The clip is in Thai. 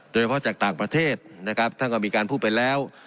โดยเฉพาะจากต่างประเทศนะครับท่านก็มีการพูดไปแล้ว